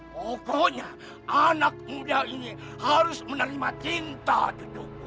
pokoknya anak muda ini harus menerima cinta cucuku